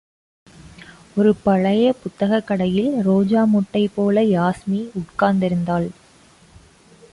ஒரு பழைய புத்தகக் கடையில் ரோஜா மொட்டைப் போல யாஸ்மி உட்கார்ந்திருந்தாள்.